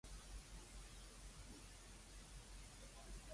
人哋個初吻咁就無咗啦